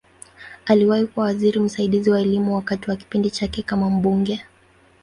Aliwahi kuwa waziri msaidizi wa Elimu wakati wa kipindi chake kama mbunge.